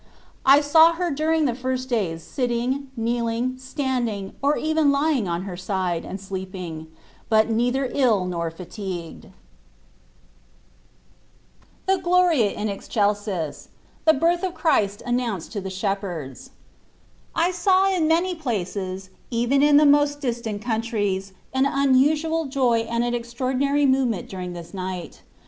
I saw her during the first days sitting, kneel ing, standing, or even lying on her side, and sleeping ; but neither ill nor fatigued. ZTbe Rattvitg ot THE " GLORIA IN EXCELSIS." THE BIRTH OF CHRIST ANNOUNCED TO THE SHEPHERDS. I SAW in many places, even in the most distant countries, an unusual joy and an extraordinary movement during this night.